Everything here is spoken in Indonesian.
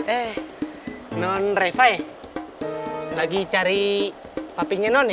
eh non reva ya lagi cari papinya non ya